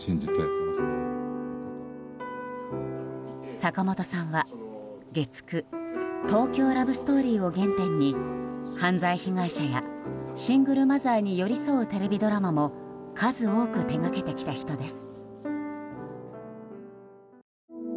坂元さんは、月９「東京ラブストーリー」を原点に犯罪被害者やシングルマザーに寄り添うテレビドラマも数多く手がけてきた人です。